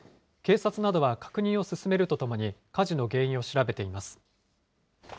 警察などは確認を進めるとともに、火事の原因を調べています。